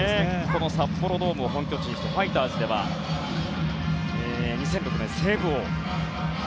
この札幌ドームを本拠地にしたファイターズでは２００６年、セーブ王。